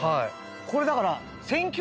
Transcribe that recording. これだから。